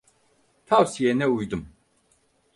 Tavsiyene uydum.